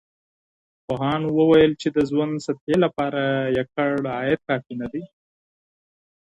پوهانو وويل چی د ژوند سطحې لپاره يوازي عايد کافي نه دی.